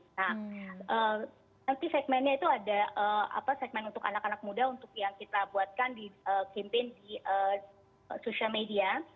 nah nanti segmennya itu ada segmen untuk anak anak muda untuk yang kita buatkan di kempen di social media